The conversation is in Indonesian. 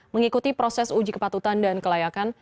mengikuti proses uji kepatutan dan kelayakan